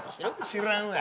知らんわ。